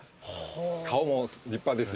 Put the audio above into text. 顔も立派ですよね。